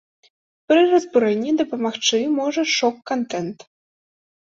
Пры разбурэнні дапамагчы можа шок-кантэнт.